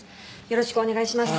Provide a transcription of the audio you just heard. よろしくお願いします。